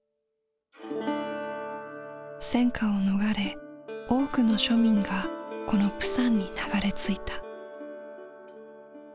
戦火を逃れ多くの庶民がこの釜山に流れ着いた。